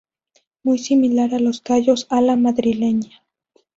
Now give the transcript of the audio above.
Muy similar a los callos a la madrileña.